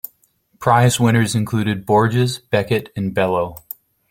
Prize winners included Borges, Beckett and Bellow.